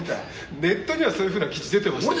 ネットにはそういうふうな記事出てましたよ。